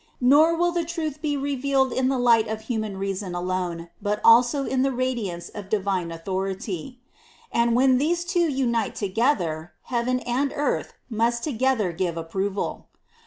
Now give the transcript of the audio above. N or will tl^^ tt^^h ^^ revealed in the ligrht of human rpagnn jyjnnPj hu t^lso in the radiance of divine authority. And when these two umte togetner, heaven and earth must t ogether gve approval.